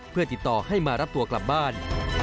เพื่อติดต่อให้มารับตัวกลับบ้าน